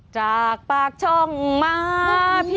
จากปากช่องมา